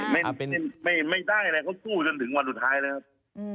ไม่ได้เลยเขาคุณถึงวันอุท้ายเลยนะครับ